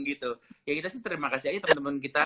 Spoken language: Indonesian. gitu ya kita sih terima kasih aja teman teman kita